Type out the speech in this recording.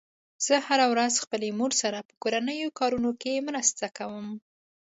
زه هره ورځ خپلې مور سره په کورنیو کارونو کې مرسته کوم